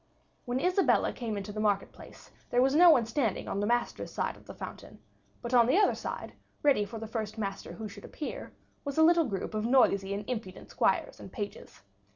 When Isabella came into the market place, there was no one standing on the masters' side of the fountain, but on the other side, ready for the first master who should appear, was a little group of noisy and impudent squires and pages.